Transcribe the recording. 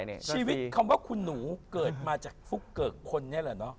ชีวิตคำว่าคุณหนูเกิดมาจากฟุ๊กเกิกคนนี่แหละเนอะ